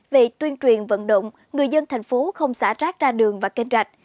về tuyên truyền vận động người dân thành phố không xả rác ra đường và kênh rạch